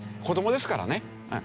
子どもですからね。